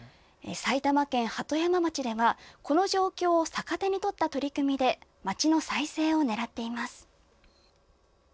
埼玉県鳩山町では、この状況を逆手にとった取り組みで町の再生を狙っています。